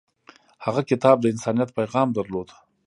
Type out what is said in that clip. هغه کتاب د انسانیت پیغام درلود.